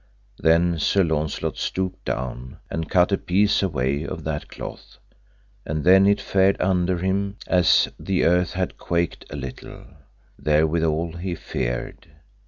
Then Sir Launcelot stooped down, and cut a piece away of that cloth, and then it fared under him as the earth had quaked a little; therewithal he feared.